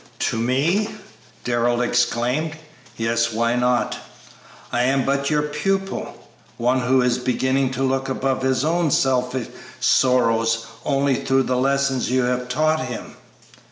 "To me?" Darrell exclaimed. "Yes; why not?" "I am but your pupil, one who is just beginning to look above his own selfish sorrows only through the lessons you have taught him."